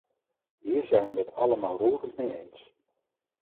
Hier zijn we het allemaal roerend mee eens.